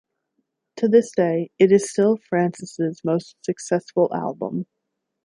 To this day, it is still Francis' most successful album.